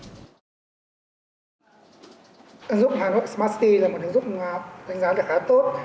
ứng dụng hà nội smart city là một ứng dụng đánh giá khá tốt